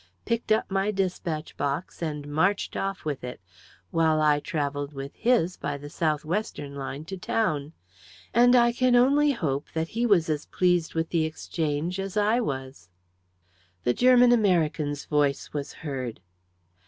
picked up my despatch box, and marched off with it, while I travelled with his by the South Western line to town; and I can only hope that he was as pleased with the exchange as I was." The German American's voice was heard.